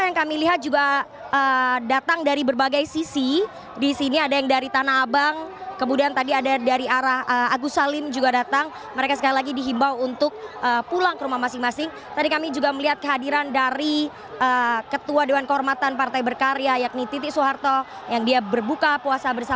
yang anda dengar saat ini sepertinya adalah ajakan untuk berjuang bersama kita untuk keadilan dan kebenaran saudara saudara